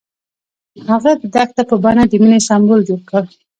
هغه د دښته په بڼه د مینې سمبول جوړ کړ.